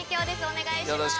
お願いします。